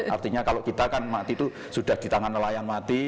artinya kalau kita kan mati itu sudah di tangan nelayan mati